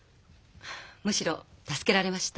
むしろ助けられました。